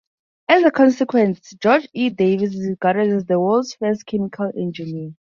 As a consequence George E. Davis is regarded as the world's first chemical engineer.